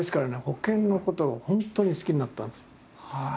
保険のことが本当に好きになったんですよ。